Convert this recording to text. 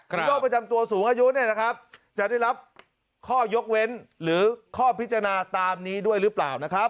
มีโรคประจำตัวสูงอายุจะได้รับข้อยกเว้นหรือข้อพิจารณาตามนี้ด้วยหรือเปล่านะครับ